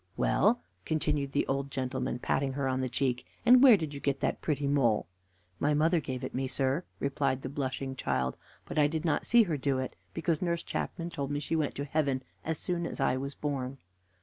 "Well," continued the old gentleman, patting her on the cheek, "and where did you get that pretty mole?" "My mother gave it me, sir," replied the blushing child; "but I did not see her do it, because Nurse Chapman told me she went to heaven as soon as I was born."